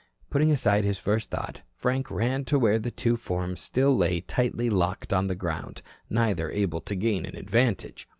Putting aside his first thought, Frank ran to where the two forms still lay tightly locked on the ground, neither able to gain an advantage.